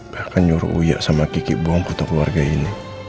bahkan nyuruh sama kiki buang foto keluarga ini